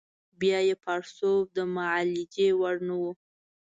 بیا یې پړسوب د معالجې وړ نه وو.